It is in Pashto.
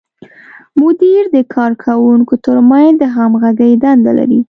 مدیر د کارکوونکو تر منځ د همغږۍ دنده لري.